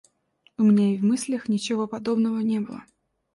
У меня и в мыслях ничего подобного не было.